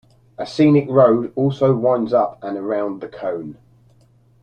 A scenic road also winds up and around the cone.